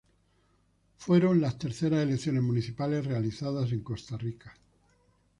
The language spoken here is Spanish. Fueron las terceras elecciones municipales realizadas en Costa Rica.